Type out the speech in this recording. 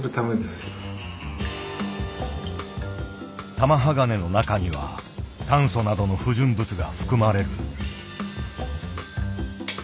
玉鋼の中には炭素などの不純物が含まれる。